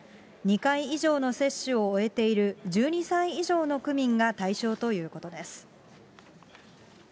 ２回以上の接種を終えている１２歳以上の区民が対象ということです。